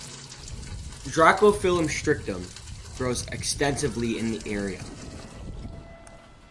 Dracophyllum strictum grows extensively in the area.